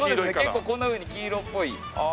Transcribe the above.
結構こんなふうに黄色っぽい。